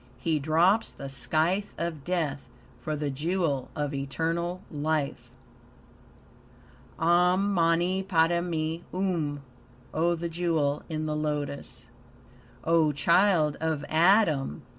He drops the scythe of death for the jewel of eternal life. "Om Mani Padme Um." (Oh the jewel in the lotus.) O child of Adam!